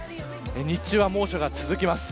日中は猛暑が続きます。